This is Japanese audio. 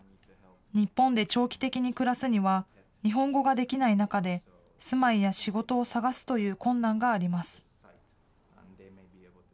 日本で長期的に暮らすには、日本語ができない中で、住まいや仕事を探すという困難があります。